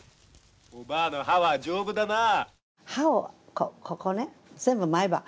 お婆の歯は丈夫だなあ。